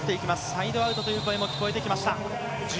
サイドアウトという声も聞こえてきました。